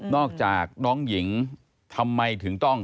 อกจากน้องหญิงทำไมถึงต้อง